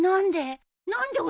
何で？